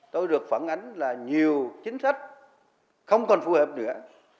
tôi được phản ánh là nhiều chính sách không còn phù hợp nữa